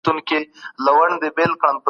ولي تحلیل کول مهم دي؟